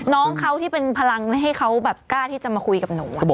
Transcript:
น้องเขาที่เป็นพลังให้เขาแบบกล้าที่จะมาคุยกับหนู